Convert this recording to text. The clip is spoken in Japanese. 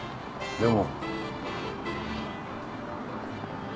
でも？